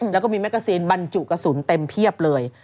แล้วก็มีแกซีนบรรจุกระสุนเต็มเพียบเลย